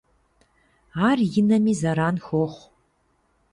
Ар и нэми зэран хуохъу.